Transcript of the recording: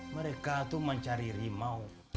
mereka tuh mencari harimau